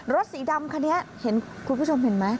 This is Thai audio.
สีดำคันนี้เห็นคุณผู้ชมเห็นไหม